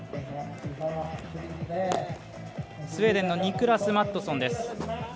スウェーデンのニクラス・マットソンです。